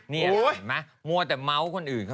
นี่เห็นไหมมัวแต่เมาส์คนอื่นเขา